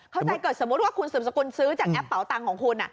เข้าใจเกิดสมมุติว่าคุณสืบสกุลซื้อจากแอปเป่าตังค์ของคุณ